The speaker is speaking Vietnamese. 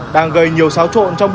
đang gây nhiều xáo trộn trong bến